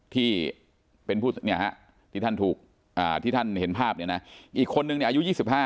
ที่เป็นผู้ที่ท่านถูกที่ท่านเห็นภาพเนี่ยนะอีกคนนึงเนี่ยอายุ๒๕